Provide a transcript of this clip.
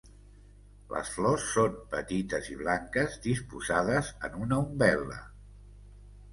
Les flors són petites i blanques disposades en una umbel·la.